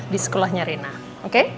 di sekolahnya reina oke